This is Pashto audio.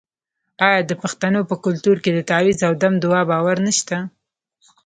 آیا د پښتنو په کلتور کې د تعویذ او دم دعا باور نشته؟